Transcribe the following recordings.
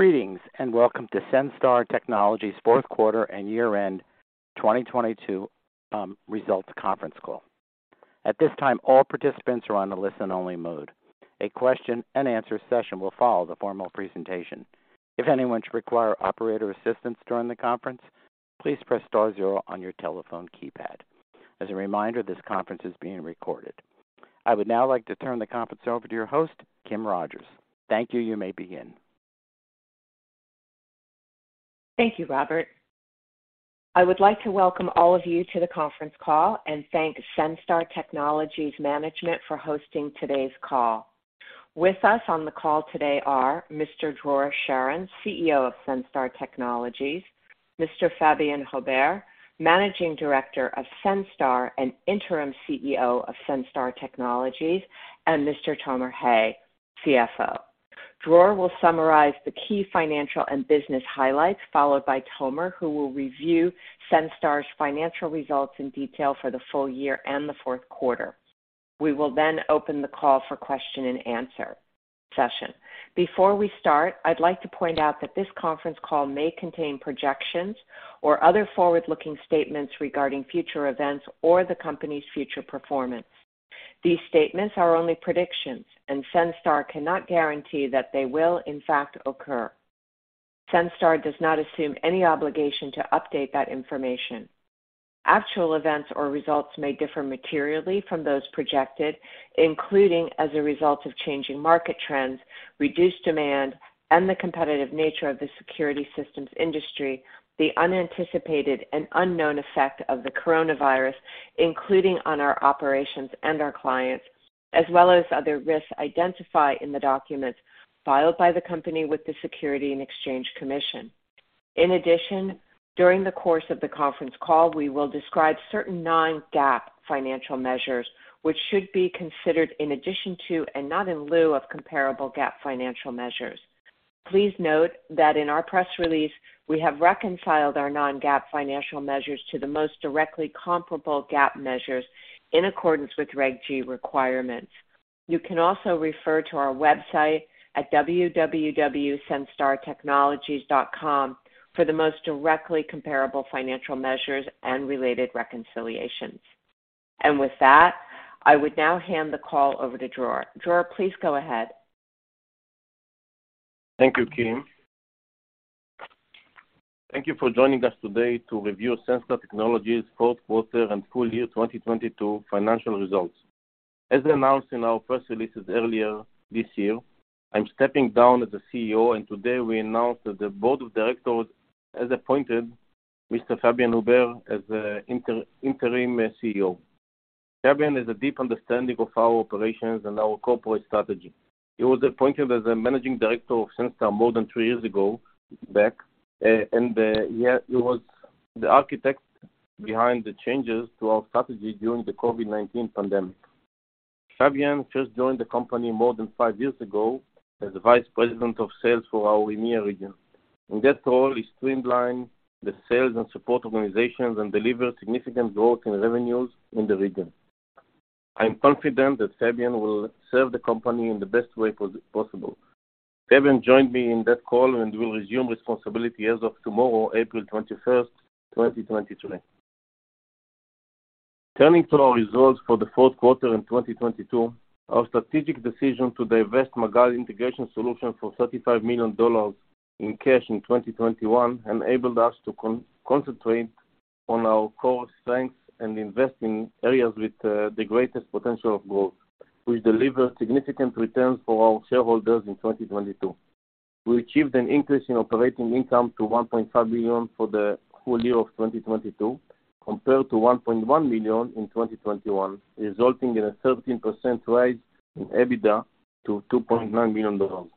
Greetings. Welcome to Senstar Technologies fourth quarter and year-end 2022 results conference call. At this time, all participants are on a listen-only mode. A question-and-answer session will follow the formal presentation. If anyone should require operator assistance during the conference, please press star zero on your telephone keypad. As a reminder, this conference is being recorded. I would now like to turn the conference over to your host, Kim Rogers. Thank you. You may begin. Thank you, Robert. I would like to welcome all of you to the conference call and thank Senstar Technologies management for hosting today's call. With us on the call today are Mr. Dror Sharon, CEO of Senstar Technologies, Mr. Fabien Haubert, Managing Director of Senstar and Interim CEO of Senstar Technologies, and Mr. Tomer Hay, CFO. Dror will summarize the key financial and business highlights, followed by Tomer, who will review Senstar's financial results in detail for the full year and the fourth quarter. We will open the call for question-and-answer session. Before we start, I'd like to point out that this conference call may contain projections or other forward-looking statements regarding future events or the company's future performance. These statements are only predictions, and Senstar cannot guarantee that they will in fact occur. Senstar does not assume any obligation to update that information. Actual events or results may differ materially from those projected, including as a result of changing market trends, reduced demand, and the competitive nature of the security systems industry, the unanticipated and unknown effect of the coronavirus, including on our operations and our clients, as well as other risks identified in the documents filed by the company with the Securities and Exchange Commission. During the course of the conference call, we will describe certain non-GAAP financial measures, which should be considered in addition to and not in lieu of comparable GAAP financial measures. Please note that in our press release, we have reconciled our non-GAAP financial measures to the most directly comparable GAAP measures in accordance with Reg G requirements. You can also refer to our website at www.senstartechnologies.com for the most directly comparable financial measures and related reconciliations. With that, I would now hand the call over to Dror. Dror, please go ahead. Thank you, Kim. Thank you for joining us today to review Senstar Technologies fourth quarter and full year 2022 financial results. As announced in our press releases earlier this year, I'm stepping down as the CEO. Today we announce that the board of directors has appointed Mr. Fabien Haubert as the interim CEO. Fabien Haubert has a deep understanding of our operations and our corporate strategy. He was appointed as the managing director of Senstar more than three years ago. He was the architect behind the changes to our strategy during the COVID-19 pandemic. Fabien Haubert first joined the company more than five years ago as the Vice President of Sales for our EMEA region. In that role, he streamlined the sales and support organizations and delivered significant growth in revenues in the region. I am confident that Fabian will serve the company in the best way possible. Fabien joined me in that call and will resume responsibility as of tomorrow, April 21st, 2023. Turning to our results for the fourth quarter in 2022, our strategic decision to divest Magal Integration Solutions for $35 million in cash in 2021 enabled us to concentrate on our core strengths and invest in areas with the greatest potential of growth, which delivered significant returns for our shareholders in 2022. We achieved an increase in operating income to $1.5 billion for the whole year of 2022 compared to $1.1 billion in 2021, resulting in a 13% rise in EBITDA to $2.9 million.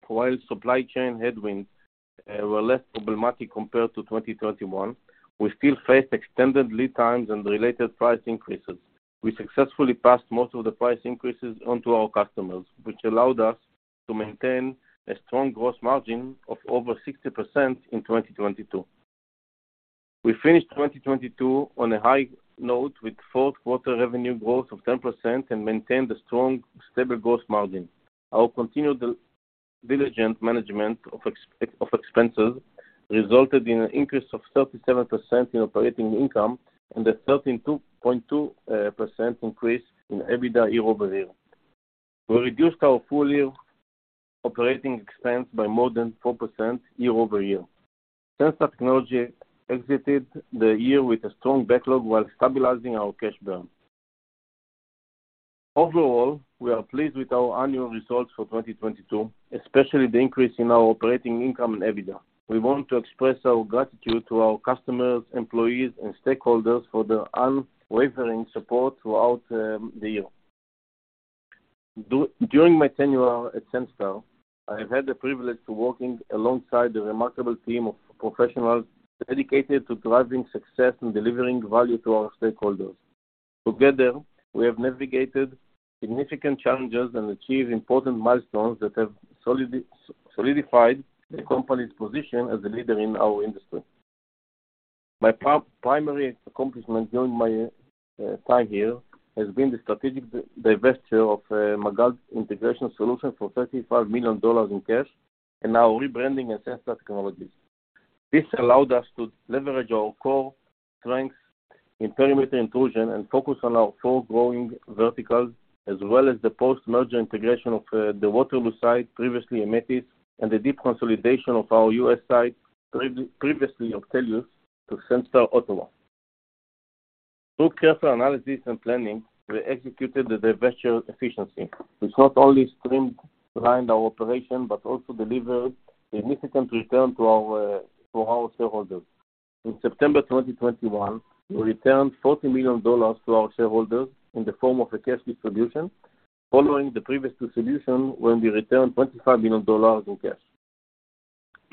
While supply chain headwinds were less problematic compared to 2021, we still faced extended lead times and related price increases. We successfully passed most of the price increases on to our customers, which allowed us to maintain a strong gross margin of over 60% in 2022. We finished 2022 on a high note with fourth quarter revenue growth of 10% and maintained a strong, stable gross margin. Our continued diligent management of expenses resulted in an increase of 37% in operating income and a 13.2% increase in EBITDA year-over-year. We reduced our full year operating expense by more than 4% year-over-year. Senstar Technologies exited the year with a strong backlog while stabilizing our cash burn. Overall, we are pleased with our annual results for 2022, especially the increase in our operating income and EBITDA. We want to express our gratitude to our customers, employees, and stakeholders for their unwavering support throughout the year. During my tenure at Senstar, I have had the privilege to working alongside the remarkable team of professionals dedicated to driving success and delivering value to our stakeholders. Together, we have navigated significant challenges and achieved important milestones that have solidified the company's position as a leader in our industry. My primary accomplishment during my time here has been the strategic divesture of Magal Integration Solutions for $35 million in cash, and now rebranding as Senstar Technologies. This allowed us to leverage our core strengths in perimeter intrusion and focus on our four growing verticals, as well as the post-merger integration of the Waterloo site, previously Aimetis, and the deep consolidation of our U.S. site previously Optellios, to Senstar Ottawa. Through careful analysis and planning, we executed the divesture efficiency, which not only streamlined our operation, but also delivered a significant return to our shareholders. In September 2021, we returned $40 million to our shareholders in the form of a cash distribution, following the previous distribution when we returned $25 million in cash.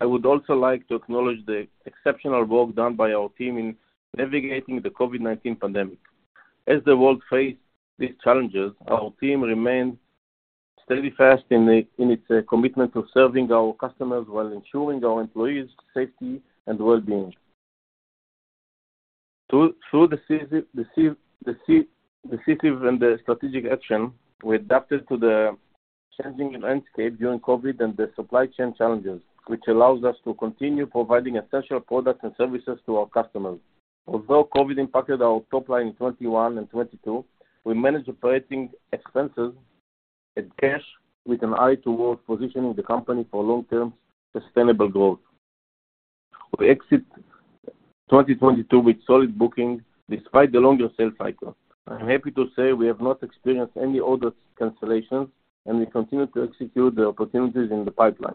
I would also like to acknowledge the exceptional work done by our team in navigating the COVID-19 pandemic. As the world faced these challenges, our team remained steadfast in its commitment to serving our customers while ensuring our employees safety and well-being. Through the seasons and the strategic action, we adapted to the changing landscape during COVID and the supply chain challenges, which allows us to continue providing essential products and services to our customers. Although COVID impacted our top line in 2021 and 2022, we managed operating expenses and cash with an eye toward positioning the company for long-term sustainable growth. We exit 2022 with solid booking despite the longer sales cycle. I'm happy to say we have not experienced any orders cancellations, and we continue to execute the opportunities in the pipeline.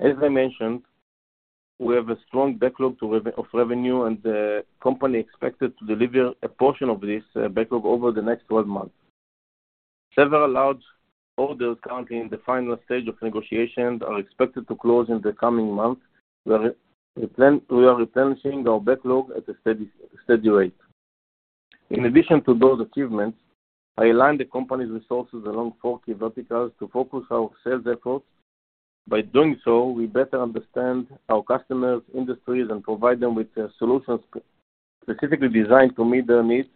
As I mentioned, we have a strong backlog of revenue, and the company expected to deliver a portion of this backlog over the next 12 months. Several large orders currently in the final stage of negotiations are expected to close in the coming months. We are replenishing our backlog at a steady rate. In addition to those achievements, I aligned the company's resources along four key verticals to focus our sales efforts. By doing so, we better understand our customers, industries, and provide them with solutions specifically designed to meet their needs.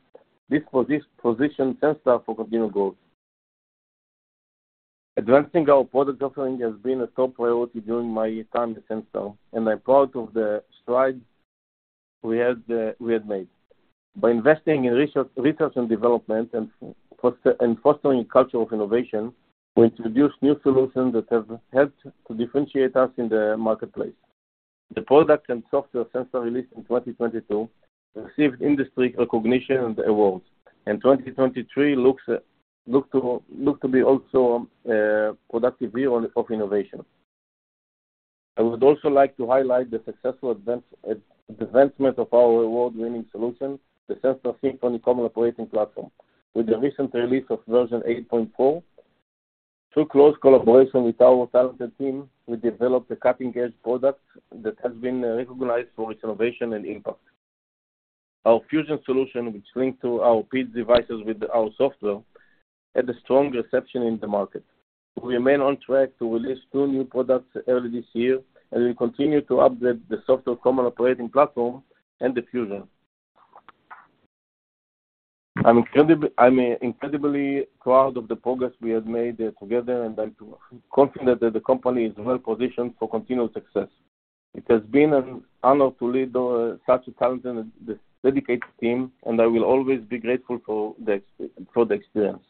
This position Senstar for continued growth. Advancing our product offering has been a top priority during my time at Senstar, and I'm proud of the strides we had made. By investing in research and development and fostering a culture of innovation, we introduced new solutions that have helped to differentiate us in the marketplace. The product and software Senstar released in 2022 received industry recognition and awards. 2023 looks to be also a productive year of innovation. I would also like to highlight the successful advancement of our award-winning solution, the Senstar Symphony Common Operating Platform, with the recent release of version 8.4. Through close collaboration with our talented team, we developed a cutting-edge product that has been recognized for its innovation and impact. Our fusion solution, which link to our PID devices with our software, had a strong reception in the market. We remain on track to release two new products early this year, and we continue to upgrade the software common operating platform and the fusion. I'm incredibly proud of the progress we have made together, and I'm confident that the company is well-positioned for continued success. It has been an honor to lead such a talented and dedicated team, and I will always be grateful for the experience.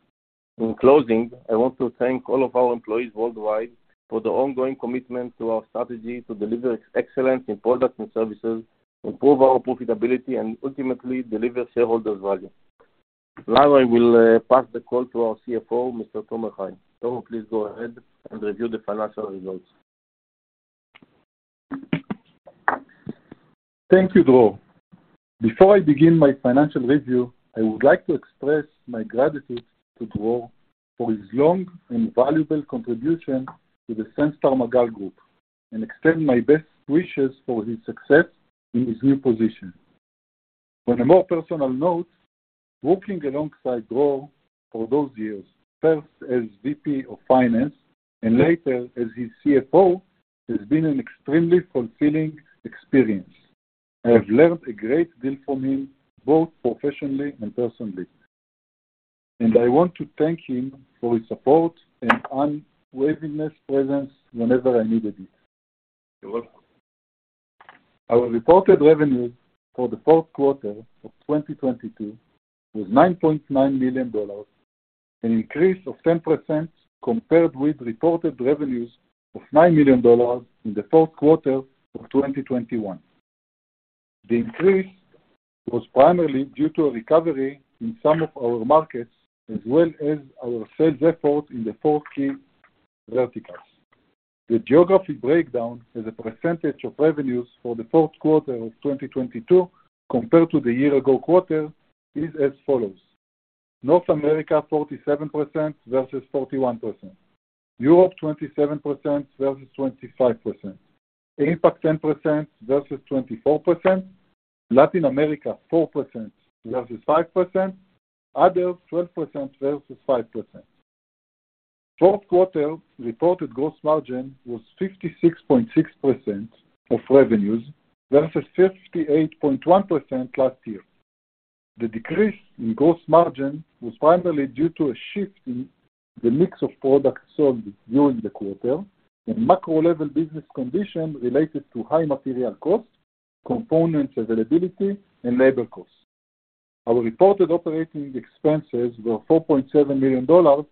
In closing, I want to thank all of our employees worldwide for their ongoing commitment to our strategy to deliver excellence in products and services, improve our profitability, and ultimately deliver shareholder value. I will pass the call to our CFO, Mr. Tomer Hay. Tomer, please go ahead and review the financial results. Thank you, Dror. Before I begin my financial review, I would like to express my gratitude to Dror for his long and valuable contribution to the Senstar Magal Group, and extend my best wishes for his success in his new position. On a more personal note, working alongside Dror for those years, first as VP of finance and later as his CFO, has been an extremely fulfilling experience. I have learned a great deal from him, both professionally and personally, and I want to thank him for his support and unwavering presence whenever I needed it. You're welcome. Our reported revenues for the fourth quarter of 2022 was $9.9 million, an increase of 10% compared with reported revenues of $9 million in the fourth quarter of 2021. The increase was primarily due to a recovery in some of our markets as well as our sales effort in the four key verticals. The geography breakdown as a percentage of revenues for the fourth quarter of 2022 compared to the year ago quarter is as follows: North America 47% versus 41%, Europe 27% versus 25%, APAC 10% versus 24%, Latin America 4% versus 5%, others 12% versus 5%. Fourth quarter reported gross margin was 56.6% of revenues versus 58.1% last year. The decrease in gross margin was primarily due to a shift in the mix of products sold during the quarter and macro level business condition related to high material costs, components availability and labor costs. Our reported operating expenses were $4.7 million,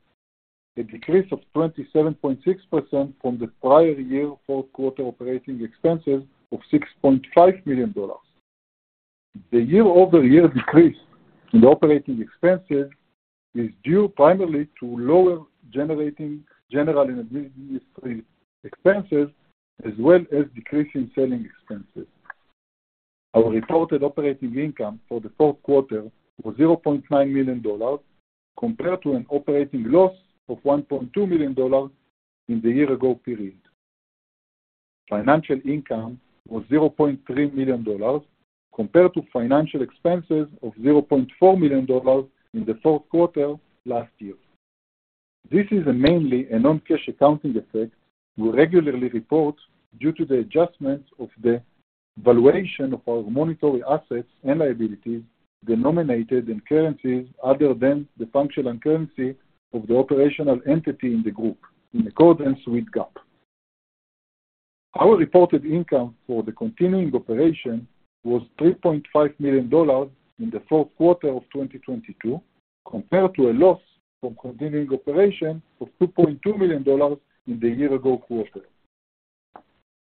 a decrease of 27.6% from the prior year fourth quarter operating expenses of $6.5 million. The year-over-year decrease in operating expenses is due primarily to lower general and administrative expenses, as well as decrease in selling expenses. Our reported operating income for the fourth quarter was $0.9 million compared to an operating loss of $1.2 million in the year ago period. Financial income was $0.3 million compared to financial expenses of $0.4 million in the fourth quarter last year. This is mainly a non-cash accounting effect we regularly report due to the adjustments of the valuation of our monetary assets and liabilities denominated in currencies other than the functional currency of the operational entity in the group in accordance with GAAP. Our reported income for the continuing operation was $3.5 million in the fourth quarter of 2022, compared to a loss from continuing operation of $2.2 million in the year ago quarter.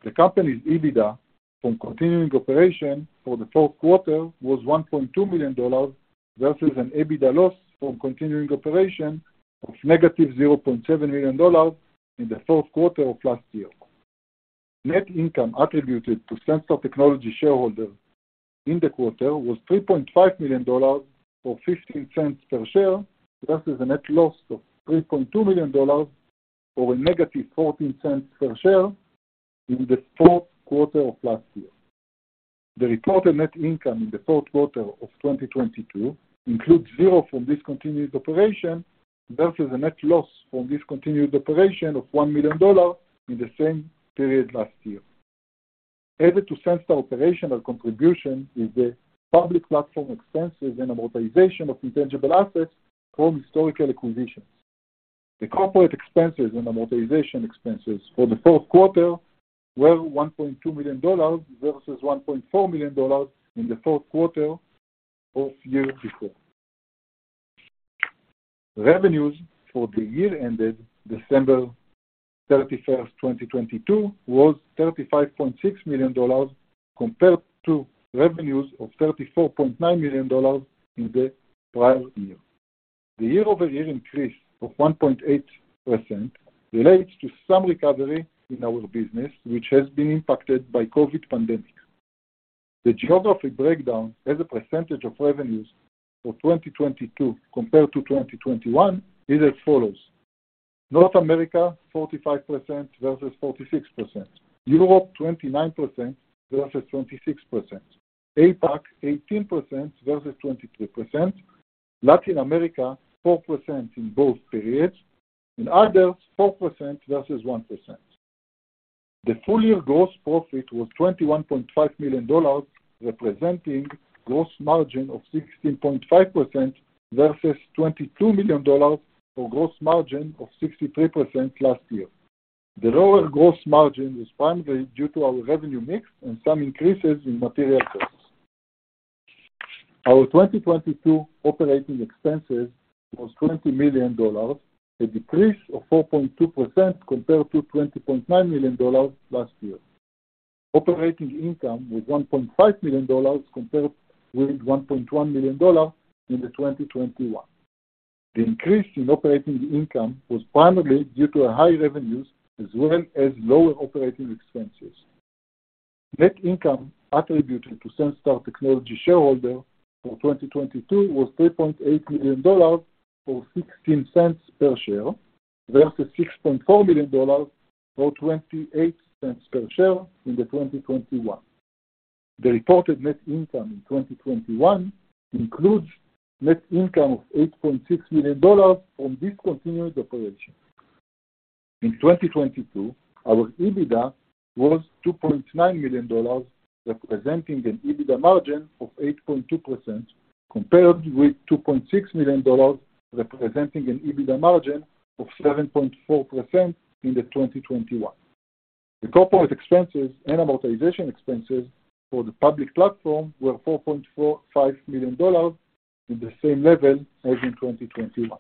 The company's EBITDA from continuing operation for the fourth quarter was $1.2 million, versus an EBITDA loss from continuing operation of -$0.7 million in the fourth quarter of last year. Net income attributed to Senstar Technologies shareholders in the quarter was $3.5 million, or $0.15 per share, versus a net loss of $3.2 million or a -$0.14 per share in the fourth quarter of last year. The reported net income in the fourth quarter of 2022 includes zero from discontinued operation, versus a net loss from discontinued operation of $1 million in the same period last year. Added to Senstar operational contribution is the public platform expenses and amortization of intangible assets from historical acquisitions. The corporate expenses and amortization expenses for the fourth quarter were $1.2 million versus $1.4 million in the fourth quarter of year before. Revenues for the year ended December 31st, 2022 was $35.6 million compared to revenues of $34.9 million in the prior year. The year-over-year increase of 1.8% relates to some recovery in our business, which has been impacted by COVID-19 pandemic. The geography breakdown as a percentage of revenues for 2022 compared to 2021 is as follows: North America 45% versus 46%, Europe 29% versus 26%, APAC 18% versus 23%, Latin America 4% in both periods, and others 4% versus 1%. The full year gross profit was $21.5 million, representing gross margin of 16.5% versus $22 million for gross margin of 63% last year. The lower gross margin was primarily due to our revenue mix and some increases in material costs. Our 2022 operating expenses was $20 million, a decrease of 4.2% compared to $20.9 million last year. Operating income was $1.5 million compared with $1.1 million in the 2021. The increase in operating income was primarily due to a high revenues as well as lower operating expenses. Net income attributed to Senstar Technologies shareholder for 2022 was $3.8 million, or $0.16 per share, versus $6.4 million, or $0.28 per share in the 2021. The reported net income in 2021 includes net income of $8.6 million from discontinued operations. In 2022, our EBITDA was $2.9 million, representing an EBITDA margin of 8.2%, compared with $2.6 million, representing an EBITDA margin of 7.4% in 2021. The corporate expenses and amortization expenses for the public platform were $4.45 million in the same level as in 2021.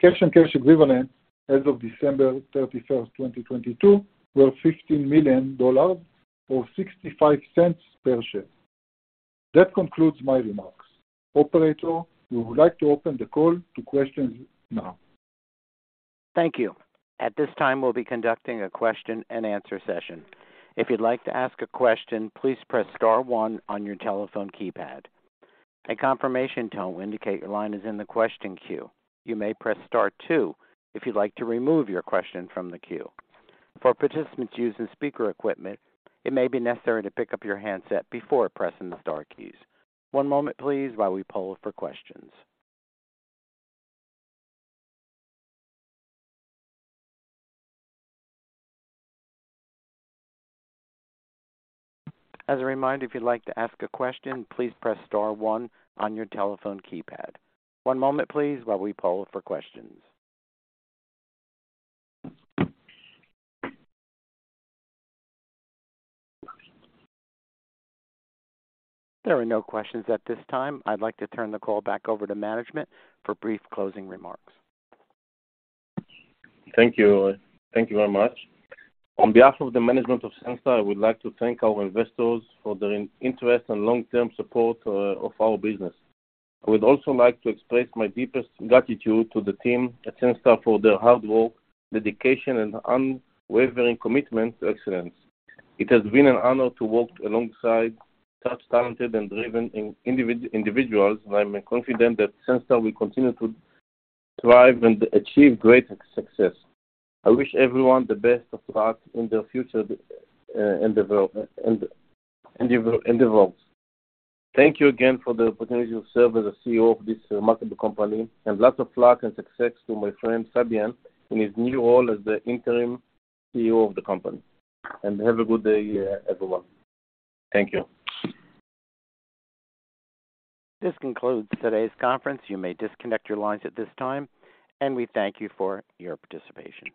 Cash and cash equivalents as of December 31st, 2022 were $15 million, or $0.65 per share. That concludes my remarks. Operator, we would like to open the call to questions now. Thank you. At this time, we'll be conducting a question and answer session. If you'd like to ask a question, please press star one on your telephone keypad. A confirmation tone will indicate your line is in the question queue. You may press star two if you'd like to remove your question from the queue. For participants using speaker equipment, it may be necessary to pick up your handset before pressing the star keys. One moment please while we poll for questions. As a reminder, if you'd like to ask a question, please press star one on your telephone keypad. One moment please while we poll for questions. There are no questions at this time. I'd like to turn the call back over to management for brief closing remarks. Thank you. Thank you very much. On behalf of the management of Senstar, I would like to thank our investors for their interest and long-term support of our business. I would also like to express my deepest gratitude to the team at Senstar for their hard work, dedication, and unwavering commitment to excellence. It has been an honor to work alongside such talented and driven individuals, and I'm confident that Senstar will continue to thrive and achieve greater success. I wish everyone the best of luck in their future endeavors. Thank you again for the opportunity to serve as the CEO of this remarkable company. Lots of luck and success to my friend Fabien in his new role as the interim CEO of the company. Have a good day, everyone. Thank you. This concludes today's conference. You may disconnect your lines at this time. We thank you for your participation.